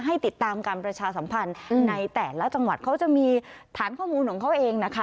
ให้ติดตามการประชาสัมพันธ์ในแต่ละจังหวัดเขาจะมีฐานข้อมูลของเขาเองนะคะ